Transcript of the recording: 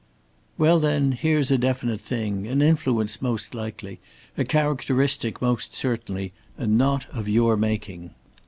"Well, then, here's a definite thing, an influence most likely, a characteristic most certainly, and not of your making!